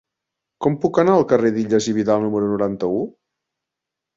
Com puc anar al carrer d'Illas i Vidal número noranta-u?